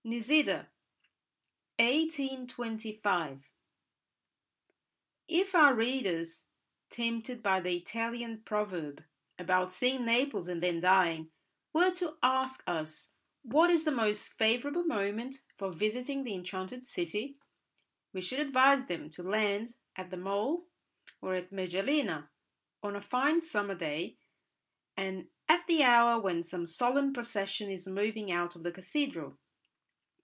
*NISIDA—1825* If our readers, tempted by the Italian proverb about seeing Naples and then dying, were to ask us what is the most favourable moment for visiting the enchanted city, we should advise them to land at the mole, or at Mergellina, on a fine summer day and at the hour when some solemn procession is moving out of the cathedral.